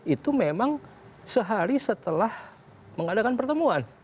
itu memang sehari setelah mengadakan pertemuan